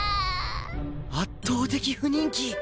圧倒的不人気！